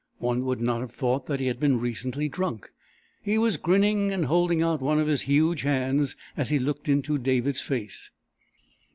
One would not have thought that he had been recently drunk. He was grinning and holding out one of his huge hands as he looked into David's face.